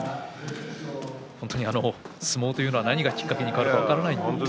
本当に相撲というのは何がきっかけに変わるか分からないですね。